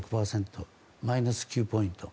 マイナス９ポイント。